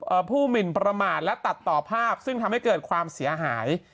ผู้หมินประมาทและตัดต่อภาพซึ่งทำให้เกิดความเสียหาย